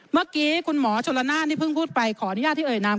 เมื่อกี้คุณหมอชนละนานที่เพิ่งพูดไปขออนุญาตที่เอ่ยนาม